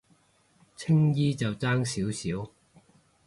青衣就爭少少